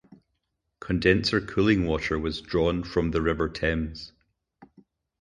Condenser cooling water was drawn from the River Thames.